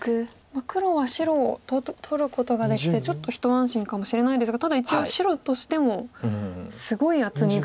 黒は白を取ることができてちょっと一安心かもしれないですがただ一応白としてもすごい厚みが。